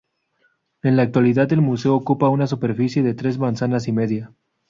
En la actualidad el Museo ocupa una superficie de tres manzanas y media.